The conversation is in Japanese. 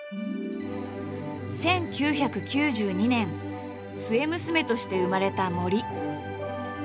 １９９２年末娘として生まれた森。